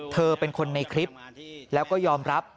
เธอเป็นคนในคลิปแล้วก็ยอมรับ